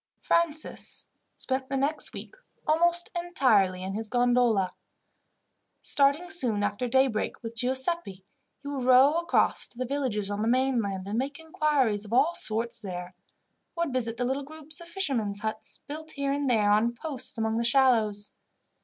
Francis spent the next week almost entirely in his gondola. Starting soon after daybreak with Giuseppi, he would row across to the villages on the mainland, and make inquiries of all sorts there; or would visit the little groups of fishermen's huts, built here and there on posts among the shallows.